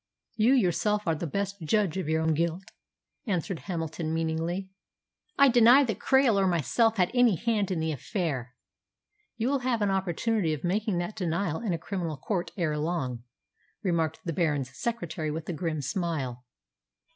"You yourself are the best judge of your own guilt," answered Hamilton meaningly. "I deny that Krail or myself had any hand in the affair." "You will have an opportunity of making that denial in a criminal court ere long," remarked the Baron's secretary with a grim smile.